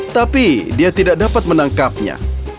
tapi dia tidak dapat menangkapnya